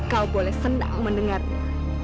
kau boleh senang mendengarnya